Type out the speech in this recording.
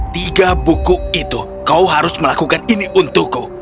tiga buku itu kau harus melakukan ini untukku